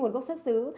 nguồn gốc xuất xứ